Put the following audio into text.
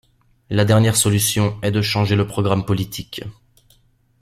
La dernière solution est de changer le programme politique.